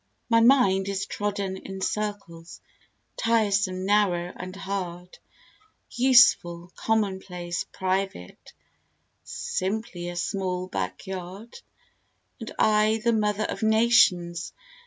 My mind is trodden in circles, tiresome, narrow and hard, Useful, commonplace, private simply a small backyard; And I the Mother of Nations!